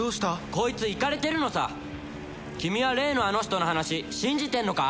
こいつイカれてるのさ君は例のあの人の話信じてるのか？